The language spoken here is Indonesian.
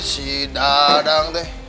si dadang teh